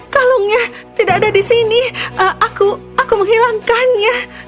kalungnya tidak ada di sini aku menghilangkannya